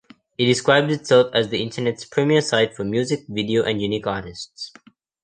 It describes itself as "the Internet's premier site for music, video and unique artists".